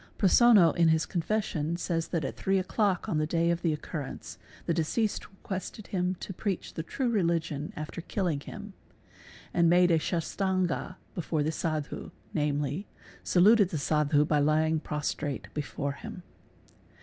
_ Prosonno in his confession says that at three o'clock on the day of the ' urrence the deceased requested him to preach the true religion after | alling him, and made a shastanga before the Sadhu, namely, saluted "the Sadhu by lying prostrate before him.